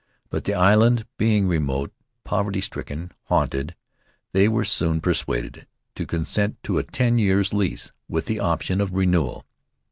But the island being remote, poverty stricken, haunted, they were soon persuaded to consent to a ten years' lease, with the option of renewal.